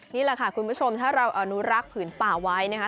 นี่แหละค่ะคุณผู้ชมถ้าเราอนุรักษ์ผืนป่าไว้นะคะ